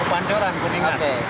ke pancuran kuningan